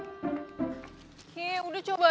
oke udah cabut ya